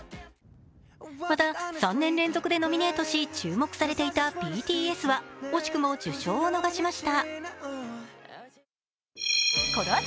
また、３年連続でノミネートし、注目されていたＢＴＳは惜しくも受賞を逃しました。